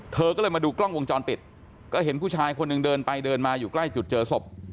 เธอก็เลยมาดูกล้องวงจรปิดก็เห็นผู้ชายคนหนึ่งเดินไปเดินมาอยู่ใกล้จุดเจอศพ